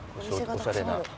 おしゃれな。